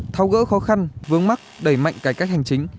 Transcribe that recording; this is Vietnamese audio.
thao gỡ khó khăn vướng mắt đẩy mạnh cải cách hành chính